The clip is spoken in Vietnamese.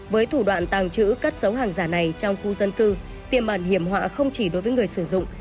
với thủ đoạn tàng trữ cất dấu hàng giả này trong khu dân cư tiềm ẩn hiểm họa không chỉ đối với người sử dụng